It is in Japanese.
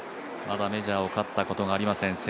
まだメジャーを勝ったことがありません